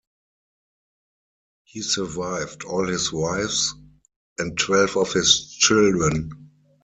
He survived all his wives and twelve of his children.